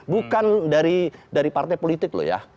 bukan dari partai politik loh ya